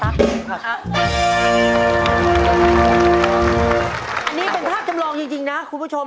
อันนี้เป็นภาพจำลองจริงนะคุณผู้ชม